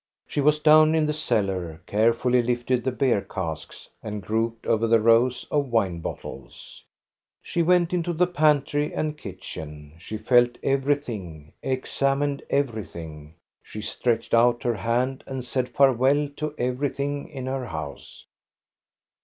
She was down in the cellar, carefully lifted the beer casks, and groped over the rows of wine bottles. She went into the pantry and kitchen ; she felt everything, examined everything. She stretched out her hand and said farewell to everything in her house.